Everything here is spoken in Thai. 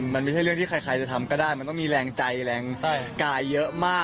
มันไม่ใช่เรื่องที่ใครจะทำก็ได้มันต้องมีแรงใจแรงกายเยอะมาก